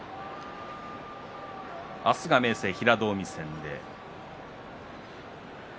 明日は明生、平戸海戦です。